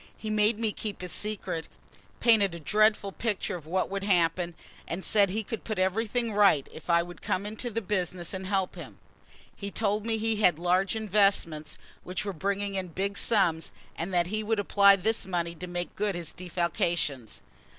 He made me keep his secret, painted a dreadful picture of what would happen, and said he could put everything right if I would come into the business and help him. He told me he had large investments which were bringing in big sums and that he would apply this money to making good his defalcations.